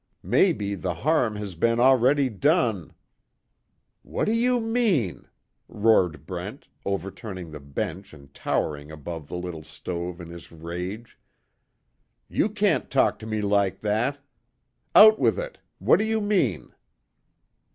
Maybe the harm has been already done " "What do you mean?" roared Brent, overturning the bench and towering above the little stove in his rage. "You can't talk to me like that! Out with it! What do you mean?"